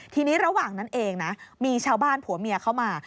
ทีนี้ระหว่างนั้นเองนะมีชาวบ้านผัวเมียเข้ามา